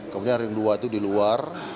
kemudian ring dua itu di luar